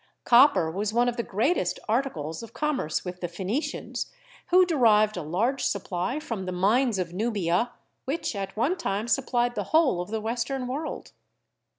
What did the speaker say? Copper was one of .the greatest articles of commerce with the Phenicians, who de ANCIENT CHEMICAL KNOWLEDGE 17 rived a large supply from the mines of Nubia, which at one time supplied the whole of the western world.